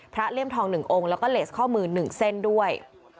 เลี่ยมทอง๑องค์แล้วก็เลสข้อมือ๑เส้นด้วย